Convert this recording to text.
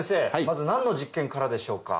まず何の実験からでしょうか？